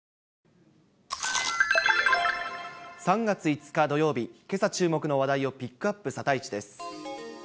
３月５日土曜日、けさ注目の話題をピックアップ、サタイチです。